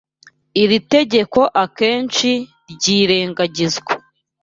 Iri tegeko akenshi ryirengagizwa.